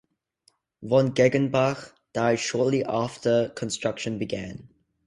Von Gengenbach died shortly after construction began.